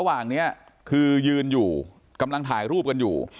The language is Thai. ระหว่างนี้คือยืนอยู่กำลังถ่ายรูปกันอยู่